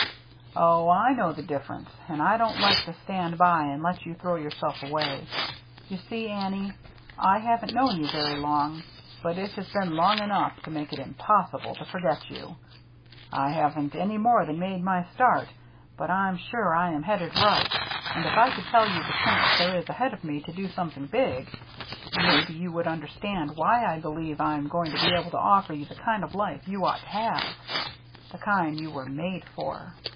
"Oh, I know the difference, and I don't like to stand by and let you throw yourself away. You see, Annie, I haven't known you very long, but it has been long enough to make it impossible to forget you. I haven't any more than made my start, but I'm sure I am headed right, and if I could tell you the chance there is ahead of me to do something big, maybe you would understand why I believe I'm going to be able to offer you the kind of life you ought to have — the kind you were made for.